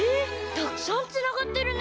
たくさんつながってるね！